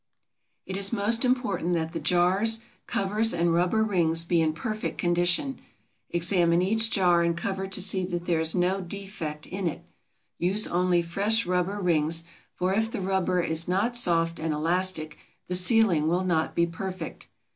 It is most important that the jars, covers, and rubber rings be in perfect condition. Examine each jar and cover to see that there is no defect in it. Use only fresh rubber rings, for if the rubber is not soft and elastic the sealing will not be perfect.